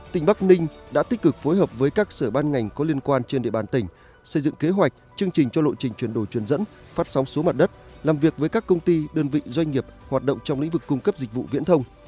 tỉnh bắc ninh đã tích cực phối hợp với các sở ban ngành có liên quan trên địa bàn tỉnh xây dựng kế hoạch chương trình cho lộ trình chuyển đổi truyền dẫn phát sóng số mặt đất làm việc với các công ty đơn vị doanh nghiệp hoạt động trong lĩnh vực cung cấp dịch vụ viễn thông